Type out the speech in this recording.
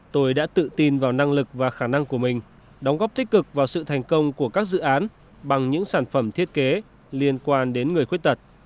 tôi đã tự tin vào năng lực và khả năng của mình đóng góp tích cực vào sự thành công của các dự án bằng những sản phẩm thiết kế liên quan đến người khuyết tật